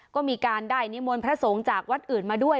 ก็มีการได้นิมนต์พระสงฆ์จากวัดอื่นมาด้วย